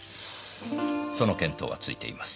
その見当はついています。